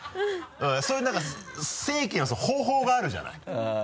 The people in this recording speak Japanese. そういう何か正規の方法があるじゃない？